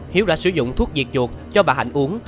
hiếu đã sử dụng thuốc diệt chuột cho bà hạnh uống